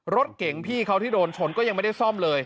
รถเก่งพี่เขาที่โดนชนก็ยังไม่ได้ซ่อมเลย